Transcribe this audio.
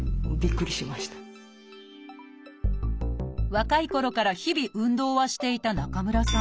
若いころから日々運動はしていた中村さん。